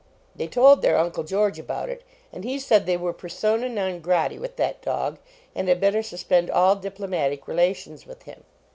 They told their Uncle George about it, and he said they were persona non grati with that dog and had better suspend all diplomatic relations with him.